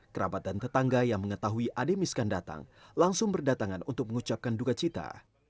kerabatan tetangga yang mengetahui adik miskan datang langsung berdatangan untuk mengucapkan duka cita